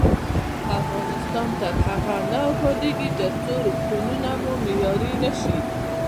افغانستان تر هغو نه ابادیږي، ترڅو روغتونونه مو معیاري نشي.